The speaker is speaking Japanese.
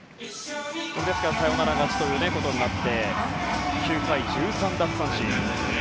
サヨナラ勝ちということになって９回１３奪三振。